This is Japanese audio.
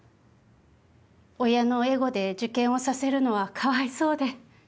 親のエゴで受験をさせるのはかわいそうで。